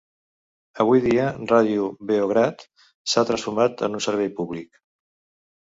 Avui dia, Radio Beograd s'ha transformat en un servei públic.